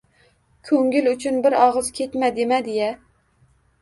Ko‘ngil uchun bir og‘iz ketma, demadi-ya.